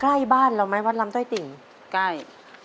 ใกล้บ้านเราไหมวัดลำต้อยติ่งใกล้